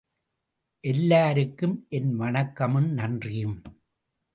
எல்லாருக்கும் என் வணக்கமும் நன்றியும்.